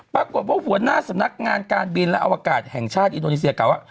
ปรากฏว่าหัวหน้าสำนักงานการบินและอวกาศแห่งชาติอินโดนีเซียกล่าวว่า